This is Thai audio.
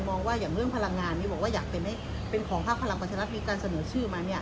มองว่าอย่างเนื่องพลังงานนี้บอกว่าอยากเป็นให้เป็นของภาพพลังปรัชนักมีการเสนอชื่อมาเนี่ย